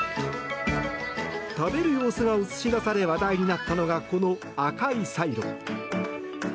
食べる様子が映し出され話題になったのがこの赤いサイロ。